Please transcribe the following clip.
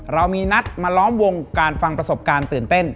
เรามีนัดมาล้อมวงการฟังประสบการณ์ตื่นเต้น